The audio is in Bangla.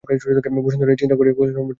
বসন্ত রায় চিন্তা করিয়া কহিলেন ঠিক কথাই তো।